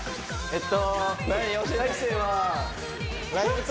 えっと海